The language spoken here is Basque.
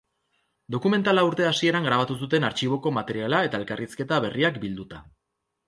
Dokumentala urte hasieran grabatu zuten artxiboko materiala eta elkarrizketa berriak bilduta.